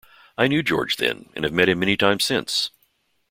I knew George then and have met him many times since.